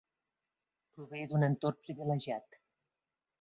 Prové d'un entorn privilegiat.